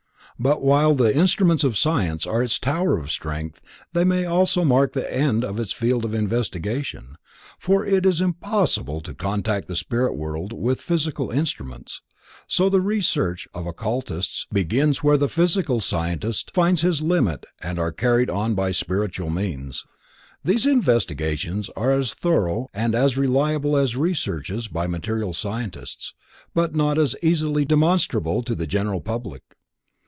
But while the instruments of science are its tower of strength they also mark the end of its field of investigation, for it is impossible to contact the spirit world with physical instruments, so the research of occultists begins where the physical scientist finds his limit and are carried on by spiritual means. These investigations are as thorough and as reliable as researches by material scientists, but not as easily demonstrable to the general public.